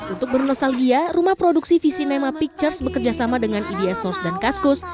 untuk bernostalgia rumah produksi visinema pictures bekerja sama dengan eds source dan kaskus